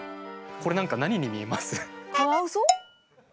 これなんかは何に見えます。